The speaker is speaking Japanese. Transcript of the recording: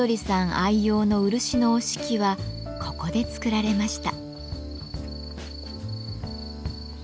愛用の漆の折敷はここで作られました。